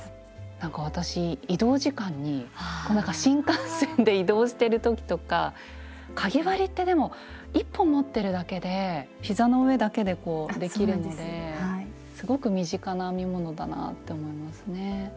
なんか私移動時間に新幹線で移動してる時とかかぎ針ってでも１本持ってるだけでひざの上だけでこうできるのですごく身近な編み物だなぁって思いますね。